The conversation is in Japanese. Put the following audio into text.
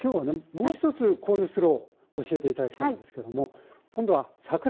もう一つコールスロー教えて頂きたいんですけども今度は桜えびのコールスロー。